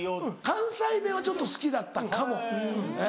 関西弁はちょっと好きだったかも。